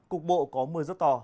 cục bộ có mưa rất to